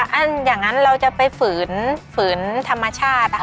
ถ้าอย่างนั้นเราจะไปฝืนฝืนธรรมชาตินะคะ